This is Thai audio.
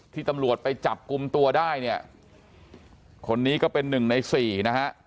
ที่ตำรวจไปจับคุมตัวได้คนนี้ก็เป็น๑ใน๔นะฮะ